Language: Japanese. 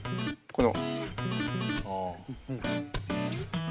この。